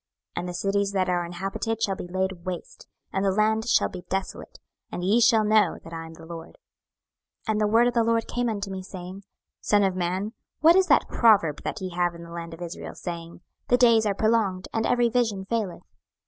26:012:020 And the cities that are inhabited shall be laid waste, and the land shall be desolate; and ye shall know that I am the LORD. 26:012:021 And the word of the LORD came unto me, saying, 26:012:022 Son of man, what is that proverb that ye have in the land of Israel, saying, The days are prolonged, and every vision faileth?